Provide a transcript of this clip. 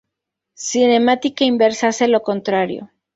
Cinemática inversa hace lo contrario.